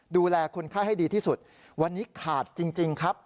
ดูแลคนไข้ให้ดีที่สุดวันนี้ขาดจริงครับ